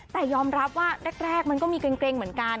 แต่ยอมรับว่าแรกมันก็มีเกร็งเหมือนกัน